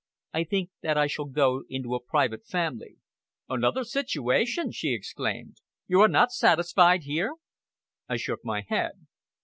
I think that I shall go into a private family." "Another situation?" she exclaimed. "You are not satisfied here?" I shook my head.